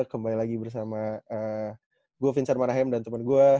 kembali lagi bersama saya vincent manahem dan teman saya